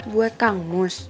buat kang mus